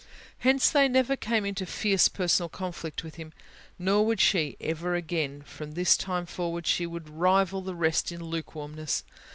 Hence, they never came into fierce personal conflict with Him. Nor would she, ever again; from this time forward, she would rival the rest in lukewarmness.